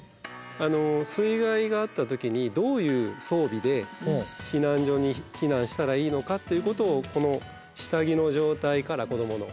あの水害があった時にどういう装備で避難所に避難したらいいのかということをこの下着の状態から子どもの。